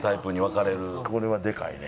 これはでかいね。